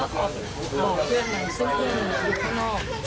อ่าเดี๋ยวไปฟังเขาค่ะใช่ค่ะฟังช่วงเหตุการณ์เลยนะนะครับ